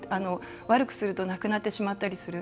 悪くすると亡くなってしまったりする。